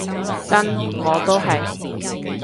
真，我都係